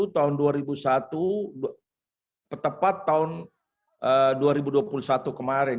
tahun dua ribu satu tepat tahun dua ribu dua puluh satu kemarin